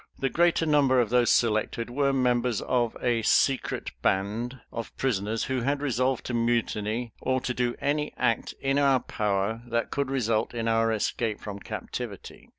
The greater number of those selected were members of a "Secret Band" of prisoners who had resolved to mutiny or to do any act in our power that could result in our escape from captivity.